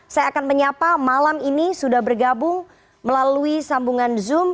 saya akan menyapa malam ini sudah bergabung melalui sambungan zoom